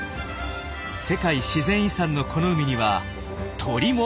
世界自然遺産のこの海には鳥も！